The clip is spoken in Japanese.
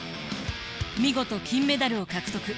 見事金メダルを獲得。